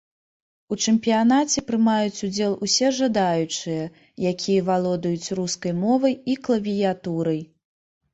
У чэмпіянаце прымаюць удзел усе жадаючыя, якія валодаюць рускай мовай і клавіятурай.